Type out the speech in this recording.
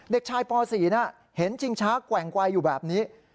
เด็กชายป๔เห็นชิงช้าแกว่งไวอยู่แบบนี้